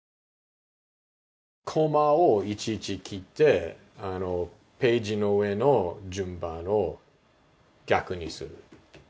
コマをいちいち切ってページの上の順番を逆にする。